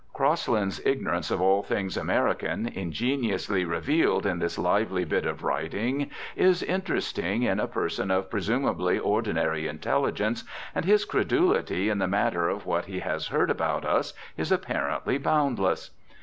Crosland's ignorance of all things American, ingeniously revealed in this lively bit of writing, is interesting in a person of, presumably, ordinary intelligence, and his credulity in the matter of what he has heard about us is apparently boundless.